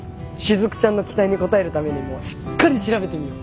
雫ちゃんの期待に応えるためにもしっかり調べてみよう。